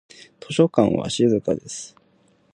図書館は静かです。